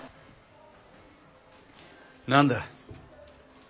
何だ？